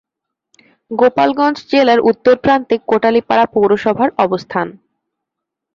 গোপালগঞ্জ জেলার উত্তর প্রান্তে কোটালীপাড়া পৌরসভার অবস্থান।